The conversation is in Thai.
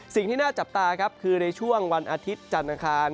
สิ่งที่น่าจับตาครับคือในช่วงวันอาทิตย์จันทร์อังคาร